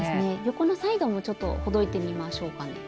横のサイドもほどいてみましょうかね。